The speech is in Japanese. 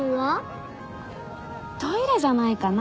トイレじゃないかな？